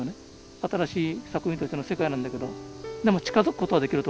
新しい作品としての世界なんだけどでも近づくことはできると思いますよ。